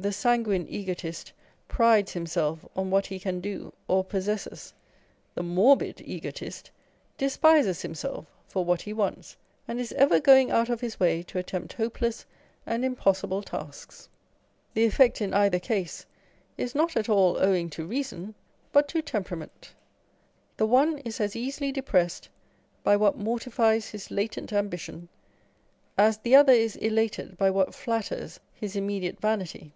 The sanguine egotist prides himself on what he can do or possesses, the morbid egotist despises himself for what he wants, and is ever going out of his way to attempt hopeless and im possible tasks. The effect in either case is not at all owing to reason, but to temperament. The one is as easily depressed by what mortifies his latent ambition, as the other is elated by what flatters his immediate vanity.